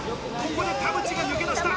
ここで田渕が抜け出した。